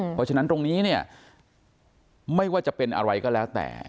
เพราะฉะนั้นตรงนี้เนี่ยไม่ว่าจะเป็นอะไรก็แล้วแต่